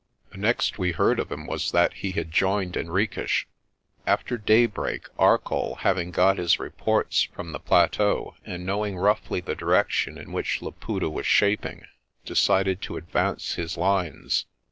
The next we heard of him was that he had joined Hen riques. After daybreak Arcoll, having got his reports from the plateau and knowing roughly the direction in which Laputa was shaping, decided to advance his lines.